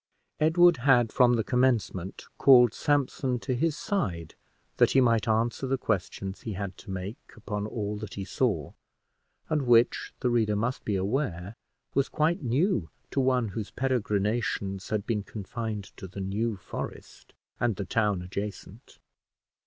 Edward had, from the commencement, called Sampson to his side, that he might answer the questions he had to make upon all that he saw, and which, the reader must be aware, was quite new to one whose peregrinations had been confined to the New Forest and the town adjacent.